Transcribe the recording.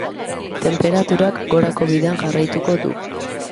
Tenperaturak gorako bidean jarraituko du.